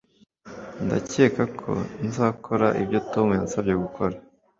Ndakeka ko nzakora ibyo Tom yansabye gukora